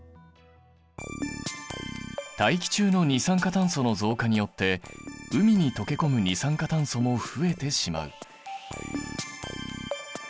大気中の二酸化炭素の増加によって海に溶け込む二酸化炭素も増えてしまう。